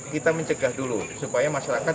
kita mencegah dulu supaya masyarakat